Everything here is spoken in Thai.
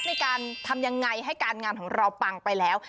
ในการทำยังไงให้การงานของเราปังไปแล้ว